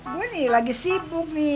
gue nih lagi sibuk nih